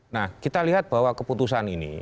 nah kita lihat bahwa keputusan ini